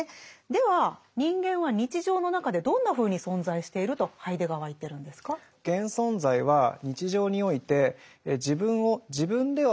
では人間は日常の中でどんなふうに存在しているとハイデガーは言ってるんですか？と考えていました。